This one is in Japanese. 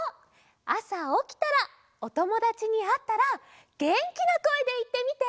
あさおきたらおともだちにあったらげんきなこえでいってみて！